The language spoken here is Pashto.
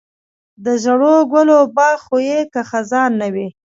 د ژړو ګلو باغ خو یې که خزان نه وي.